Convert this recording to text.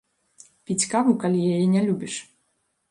Піць каву, калі яе не любіш.